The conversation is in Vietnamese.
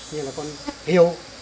như là con heo